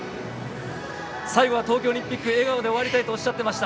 最後は東京オリンピック、笑顔で終わりたいとおっしゃっていました。